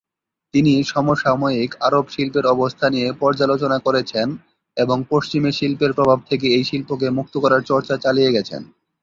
তিনি সমসাময়িক আরব শিল্পের অবস্থা নিয়ে পর্যালোচনা করেছেন এবং পশ্চিমী শিল্পের প্রভাব থেকে এই শিল্পকে মুক্ত করার চর্চা চালিয়ে গেছেন।